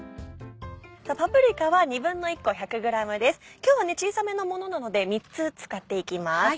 今日は小さめなものなので３つ使っていきます。